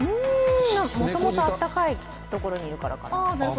もともと暖かいところにいるからかな？